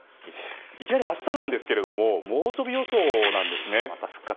いきなり明日なんですが猛暑日予想なんですね。